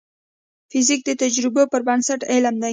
فزیک د تجربو پر بنسټ علم دی.